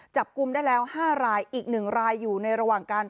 จับกลุ่มได้แล้ว๕รายอีก๑รายอยู่ในระหว่างการ